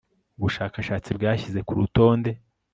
ubushakashatsi bwashyize ku rutonde